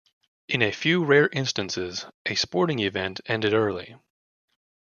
In a few rare instances a sporting event ended early.